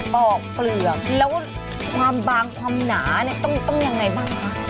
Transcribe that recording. ปอกเปลือกแล้วความบางความหนาเนี่ยต้องยังไงบ้างคะ